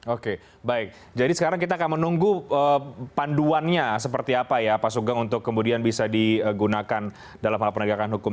oke baik jadi sekarang kita akan menunggu panduannya seperti apa ya pak sugeng untuk kemudian bisa digunakan dalam hal penegakan hukum